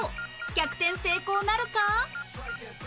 逆転成功なるか？